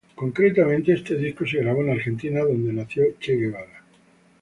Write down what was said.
Concretamente, este disco se grabó en Argentina, donde nació Che Guevara.